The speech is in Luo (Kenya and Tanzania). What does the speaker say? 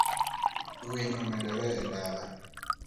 Winy omedore e dala.